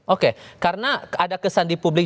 oke karena ada kesan di publik